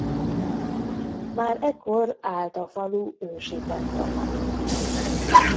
Már ekkor állt a falu ősi temploma.